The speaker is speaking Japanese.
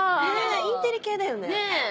インテリ系だよね。